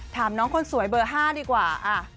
ถามน้องคนสวยเบอร์๕ดีกว่า